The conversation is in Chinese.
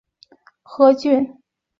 秦国趁机大举的进攻魏国的西河郡。